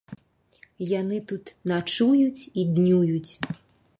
Яны тут начуюць і днююць.